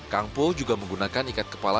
kangpo juga menggunakan ikat kepala